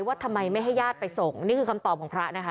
ว่าทำไมไม่ให้ญาติไปส่งนี่คือคำตอบของพระนะคะ